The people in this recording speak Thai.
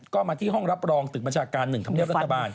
ก็มาที่ห้องรับรองตึกประชาการหนึ่งธรรมดีรัฐบาล